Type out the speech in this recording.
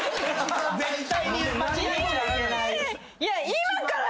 今から。